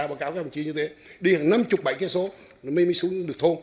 báo cáo các đồng chí như thế đi hàng năm mươi bảy km mới xuống được thô